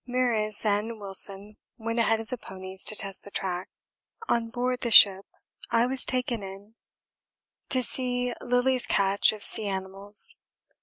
Meares and Wilson went ahead of the ponies to test the track. On board the ship I was taken in to see Lillie's catch of sea animals.